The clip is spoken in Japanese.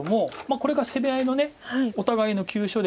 これが攻め合いのお互いの急所で。